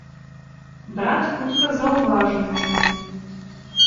Брат хутка заўважыў мяне.